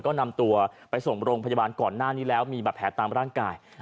ก็นำตัวไปส่งโรงพยาบาลก่อนหน้านี้แล้วมีบาดแผลตามร่างกาย